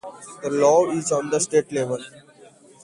This law is on the State level.